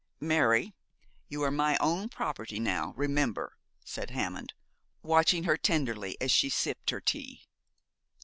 'Mary, you are my own property now, remember,' said Hammond, watching her tenderly as she sipped her tea.